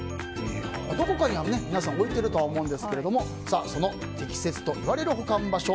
どこかには皆さん置いているとは思うんですがその適切といわれる保管場所